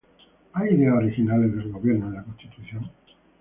¿Hay ideas originales del gobierno en la Constitución?